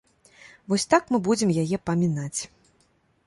Вось так мы будзем яе памінаць.